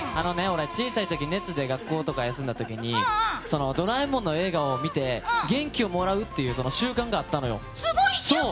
俺、小さい時に熱で学校とか休んだ時に「ドラえもん」の映画とかを見て元気をもらうっていう習慣があったのよ。